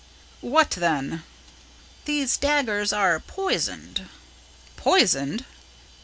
"What then?" "These daggers are poisoned." "Poisoned!"